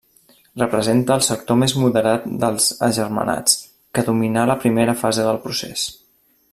Representa el sector més moderat dels agermanats, que dominà la primera fase del procés.